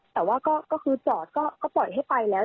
แต่ว่าก็คือจอดก็ปล่อยให้ไปแล้ว